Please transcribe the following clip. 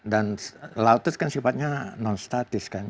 dan laut itu sifatnya non statis kan